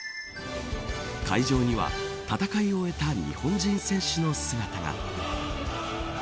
会場には戦いを終えた日本人選手の姿が。